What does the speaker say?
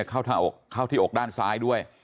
เข้าที่อกด้านซ้ายด้วย